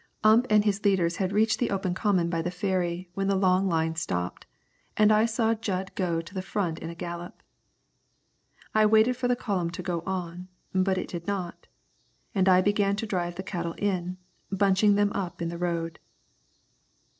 Ump and his leaders had reached the open common by the ferry when the long line stopped, and I saw Jud go to the front in a gallop. I waited for the column to go on, but it did not, and I began to drive the cattle in, bunching them up in the road.